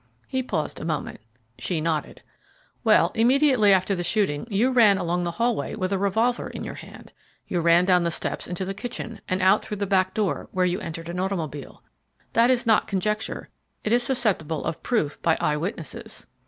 He paused a moment; she nodded. "Well, immediately after the shooting you ran along the hallway with a revolver in your hand; you ran down the steps into the kitchen, and out through the back door, where you entered an automobile. That is not conjecture; it is susceptible of proof by eye witnesses."